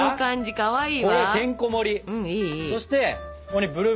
かわいい。